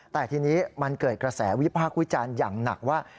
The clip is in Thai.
แต่ทีนี้มันเกิดกระแสวิพากษ์วิจารณ์อย่างหนักว่า